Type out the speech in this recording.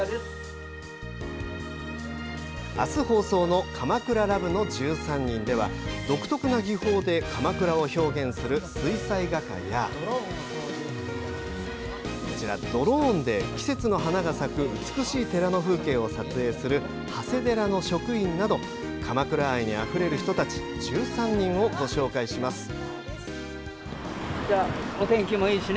あす放送の「鎌倉ＬＯＶＥの１３人」では独特な技法で鎌倉を表現する水彩画家やドローンで、季節の花が咲く美しい寺の風景を撮影する長谷寺の職員など鎌倉愛にあふれる人たち１３人をご紹介します。